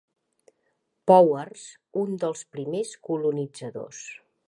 Powers, un dels primers colonitzadors.